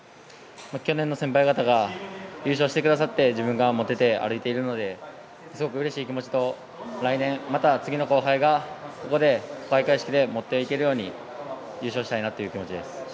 去年の先輩方が優勝してくださって自分が持てて歩いているのですごくうれしい気持ちと来年、また次の後輩が開会式で持ってこられるように優勝したいなという気持ちです。